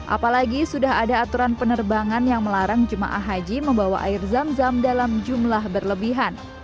apalagi sudah ada aturan penerbangan yang melarang jemaah haji membawa air zam zam dalam jumlah berlebihan